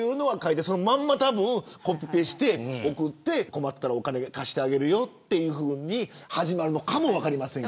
それをそのままコピペして送って困ったらお金貸してあげるよというふうに始まるのかもしれません。